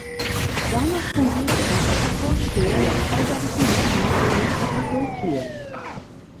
Danach fungierte er als Vorsteher der kaiserlichen Gestüte in Kappadokien.